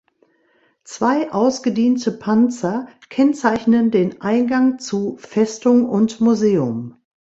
Zwei ausgediente Panzer kennzeichnen den Eingang zu Festung und Museum.